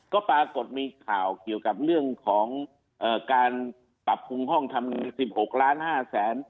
ก็ปรากฏมีข่าวเกี่ยวกับเรื่องของการปรับปรุงห้องทำ๑๖ล้าน๕แสน